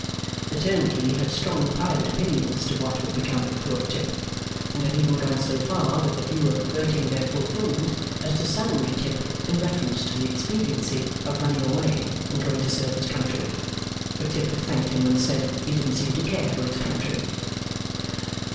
The turnkey had strong private opinions as to what would become of poor Tip, and had even gone so far with the view of averting their fulfilment, as to sound Tip in reference to the expediency of running away and going to serve his country. But Tip had thanked him, and said he didn't seem to care for his country.